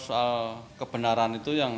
soal kebenaran itu yang